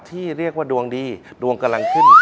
ที่เรียกว่าดวงดีดวงกำลังขึ้น